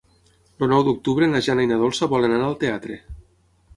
El nou d'octubre na Jana i na Dolça volen anar al teatre.